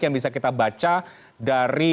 yang bisa kita baca dari